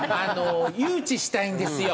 誘致したいんですよ